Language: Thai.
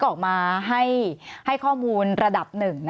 สวัสดีครับทุกคน